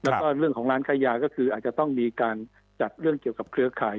แล้วก็เรื่องของร้านค้ายาก็คืออาจจะต้องมีการจัดเรื่องเกี่ยวกับเครือข่าย